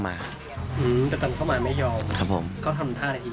อืมแต่ตอนเข้ามาไม่ยอมครับผมก็ทำท่าอีกที